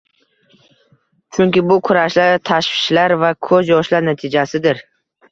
Chunki bu - kurashlar, tashvishlar va koʻz yoshlar natijasidir.